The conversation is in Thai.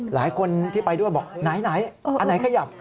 หลายคนที่ไปด้วยบอกไหนอันไหนขยับ